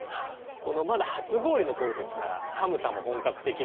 まだ初氷の頃ですから寒さも本格的ではなくって。